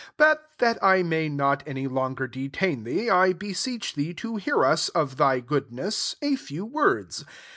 4 But that 1 majr not any longer detain thec^ I beseech thee to hear us, of %if goodness, a few words.